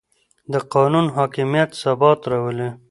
د قانون حاکمیت ثبات راولي